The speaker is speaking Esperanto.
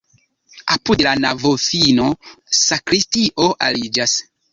Apud la navofino sakristio aliĝas.